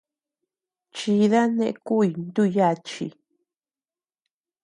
Chida neʼe kuʼuy ntú yachi.